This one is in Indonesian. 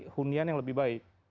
hunian yang lebih baik